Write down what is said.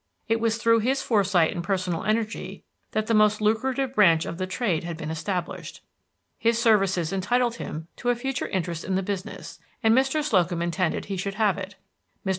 It was through his foresight and personal energy that the most lucrative branch of the trade had been established. His services entitled him to a future interest in the business, and Mr. Slocum had intended he should have it. Mr.